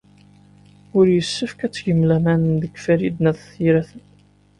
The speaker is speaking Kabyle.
Ur yessefk ad tgem laman deg Farid n At Yiraten.